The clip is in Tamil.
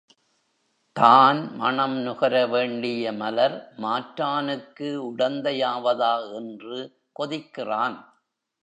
தான் மணம் நுகர வேண்டிய மலர் மாற்றானுக்கு உடந்தையாவதா என்று கொதிக்கிறான்.